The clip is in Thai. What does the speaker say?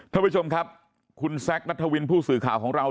ท่านผู้ชมครับคุณแซคนัทวินผู้สื่อข่าวของเรา